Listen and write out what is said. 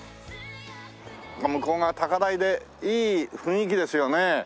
向こう側高台でいい雰囲気ですよね。